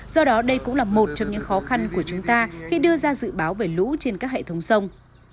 do đó đây cũng là một trong những khó khăn của chúng ta khi đưa ra dự báo về lũ trên các hệ thống sông